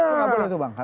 enggak boleh tuh bang